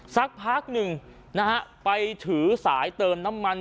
สักพักหนึ่งนะฮะไปถือสายเติมน้ำมัน